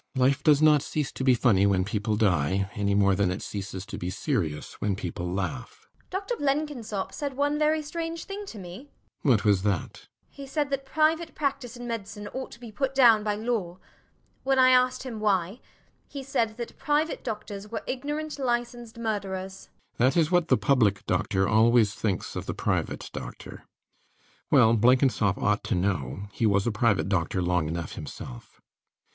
Life does not cease to be funny when people die any more than it ceases to be serious when people laugh. JENNIFER. Dr Blenkinsop said one very strange thing to me. RIDGEON. What was that? JENNIFER. He said that private practice in medicine ought to be put down by law. When I asked him why, he said that private doctors were ignorant licensed murderers. RIDGEON. That is what the public doctor always thinks of the private doctor. Well, Blenkinsop ought to know. He was a private doctor long enough himself.